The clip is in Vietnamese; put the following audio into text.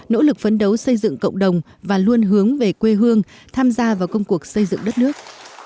nỗ lực phấn đấu xây dựng cộng đồng và luôn hướng về quê hương tham gia vào công cuộc xây dựng đất nước